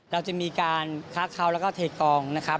เราจะมีการค้าเขาแล้วก็เทกองนะครับ